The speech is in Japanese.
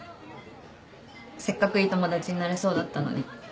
せっかくいい友達になれそうだったのに。